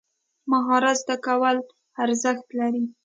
مهارت زده کول ارزښت لري.